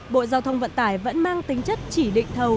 bộ giao thông vận tải vẫn mang tính chất chỉ định thầu